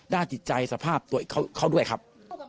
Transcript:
ด้าติดใจสภาพเขาด้วยครับ